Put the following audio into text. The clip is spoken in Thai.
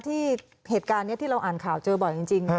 ที่เหตุการณ์นี้ที่เราอ่านข่าวเจอบ่อยจริง